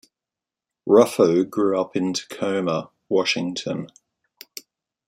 Ruffo grew up in Tacoma, Washington.